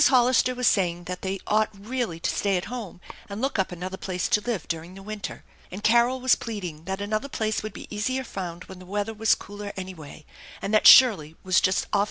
Hollister was saying that they ought really to stay at home and look up another place to live during the winter, and Carol ^vas pleading that another place would be easier found when the weather was cooler anyway, and that Shirley was just awfully tired and needed a change.